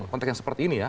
konteks yang seperti ini ya